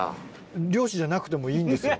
漁師じゃなくてもいいんです。